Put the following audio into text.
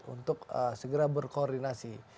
untuk segera berkoordinasi